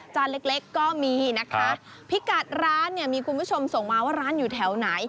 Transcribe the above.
เล็กเล็กก็มีนะคะพิกัดร้านเนี่ยมีคุณผู้ชมส่งมาว่าร้านอยู่แถวไหน